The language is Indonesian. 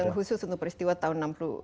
ini khusus untuk peristiwa tahun enam puluh lima